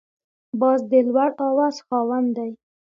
باز د لوړ اواز خاوند دی